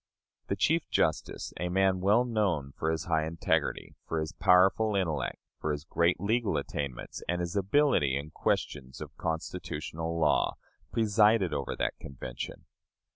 The Chief Justice a man well known for his high integrity, for his powerful intellect, for his great legal attainments, and his ability in questions of constitutional law presided over that Convention.